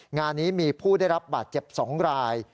งานนี้มีผู้ได้รับบาดเจ็บ๒ราย